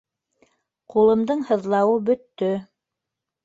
Ҡулымдың һыҙлауы бөттө.